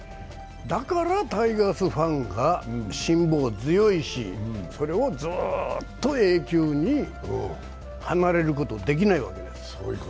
だからタイガースファンが辛抱強いしそれをずーっと永久に離れることができないわけですよ。